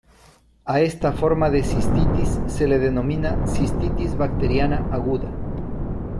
A esta forma de cistitis se le denomina cistitis bacteriana aguda.